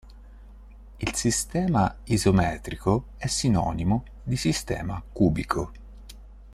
Il sistema isometrico è sinonimo di sistema cubico.